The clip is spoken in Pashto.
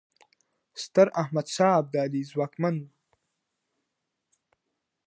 ستراحمدشاه ابدالي ځواکمن و.